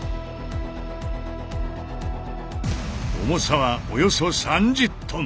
重さはおよそ３０ｔ。